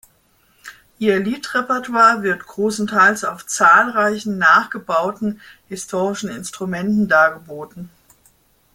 Ihr Lied-Repertoire wird großen Teils auf zahlreichen nachgebauten historischen Instrumenten dargeboten.